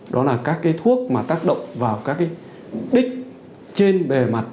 đó là các thuốc mà tác động vào các đích trên bề mặt